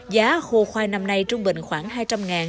giá khô khoai năm nay trung bình khoảng hai trăm linh